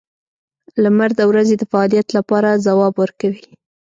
• لمر د ورځې د فعالیت لپاره ځواب ورکوي.